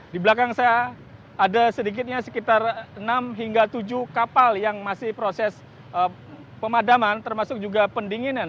di belakang saya ada sedikitnya sekitar enam hingga tujuh kapal yang masih proses pemadaman termasuk juga pendinginan